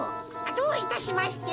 どういたしまして。